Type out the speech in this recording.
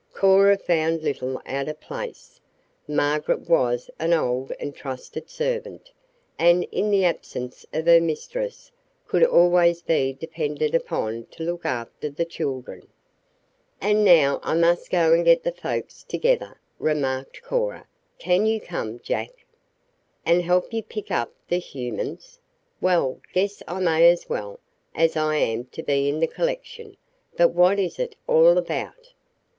Cora found little out of place. Margaret was an old and trusted servant, and, in the absence of her mistress, could always be depended upon to look after the "children." "And now I must go and get the folks together," remarked Cora. "Can you come, Jack?" "And help you pick up the humans? Well, guess I may as well, as I am to be in the collection. But what is it all about?"